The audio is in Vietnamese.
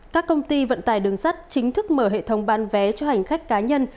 các công ty vận tải đường sắt chính thức mở hệ thống bán vé cho hành khách cá nhân